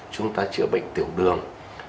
chúng ta chữa bệnh tiểu đường